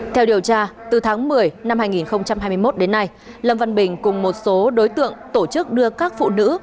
theo điều tra từ tháng một mươi năm hai nghìn hai mươi một đến nay lâm văn bình cùng một số đối tượng tổ chức đưa các phụ nữ